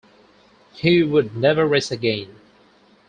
He would never race again.